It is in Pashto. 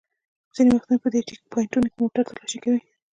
ځینې وختونه په دې چېک پواینټونو کې موټر تالاشي کوي.